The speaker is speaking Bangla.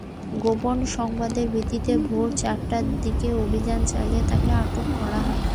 গোপন সংবাদের ভিত্তিতে ভোর চারটার দিকে অভিযান চালিয়ে তাঁকে আটক করা হয়।